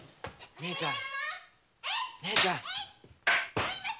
姉ちゃん！